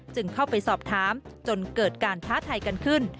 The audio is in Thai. จึงเข้าไปสอบถามจนเกิดการท้าทายกันขึ้น